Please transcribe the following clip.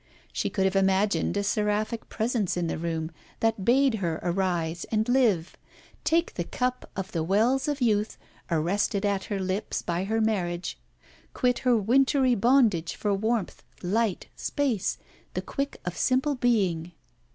She could have imagined a seraphic presence in the room, that bade her arise and live; take the cup of the wells of youth arrested at her lips by her marriage; quit her wintry bondage for warmth, light, space, the quick of simple being.